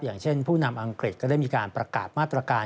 อย่างเช่นผู้นำอังกฤษก็ได้มีการประกาศมาตรการ